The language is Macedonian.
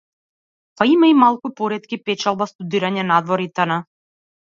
Па има и малку поретки, печалба, студирање надвор итн.